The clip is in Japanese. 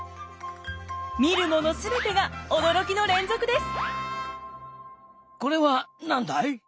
見るもの全てが驚きの連続です。